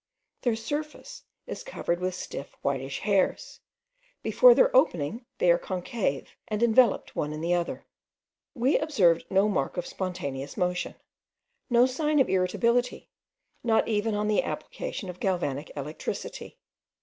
Their surface is covered with stiff whitish hairs; before their opening they are concave, and enveloped one in the other. We observed no mark of spontaneous motion, no sign of irritability, not even on the application of galvanic electricity.